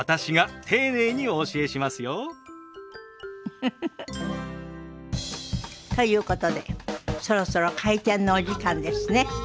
ウフフフ。ということでそろそろ開店のお時間ですね。